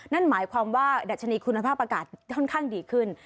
นั่นหมายความว่าดัชนีคุณภาพอากาศค่อนข้างดีขึ้น